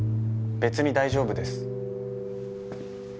別に大丈夫です。